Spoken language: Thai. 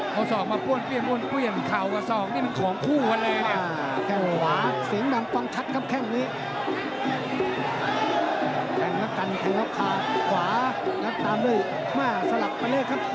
พอศอกมาบ้วนเข่ากับศอกนี่มันของคู่กันเลยเนี่ย